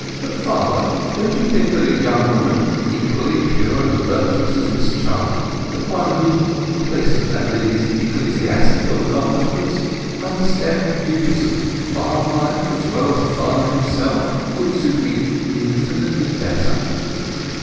But, father, don't you think that a young woman equally pure and virtuous as Miss Chant, but one who, in place of that lady's ecclesiastical accomplishments, understands the duties of farm life as well as a farmer himself, would suit me infinitely better?"